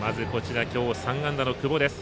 まず今日３安打の久保です。